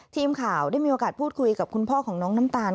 ทีมข่าวได้มีโอกาสพูดคุยกับคุณพ่อของน้องน้ำตาล